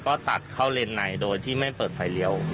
ก็ตัดเข้าเลนในโดยที่ไม่เปิดไฟเลี้ยว